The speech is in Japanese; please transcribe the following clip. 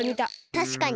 たしかに。